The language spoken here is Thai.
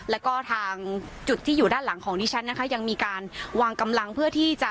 แล้วก็ทางจุดที่อยู่ด้านหลังของดิฉันนะคะยังมีการวางกำลังเพื่อที่จะ